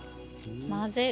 混ぜる。